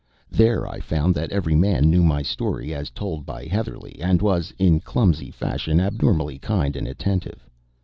There I found that every man knew my story as told by Heatherlegh, and was, in clumsy fashion, abnormally kind and attentive.